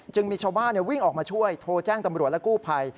มีชาวบ้านวิ่งออกมาช่วยโทรแจ้งตำรวจและกู้ภัย